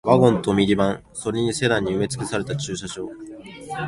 ワゴンとミニバン、それにセダンに埋め尽くされた駐車場